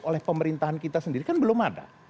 oleh pemerintahan kita sendiri kan belum ada